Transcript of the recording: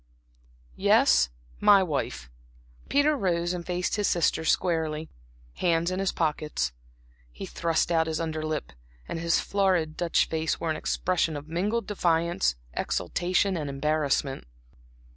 "Yes, my wife." Peter rose and faced his sisters squarely, his hands in his pockets. He thrust out his under lip, and his florid Dutch face wore an expression of mingled defiance, exultation and embarrassment.